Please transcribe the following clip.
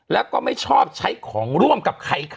แล้วก็ไม่ชอบใช้ของร่วมกับใครค่ะ